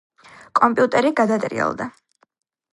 კომპიუტერი გადატრიალდა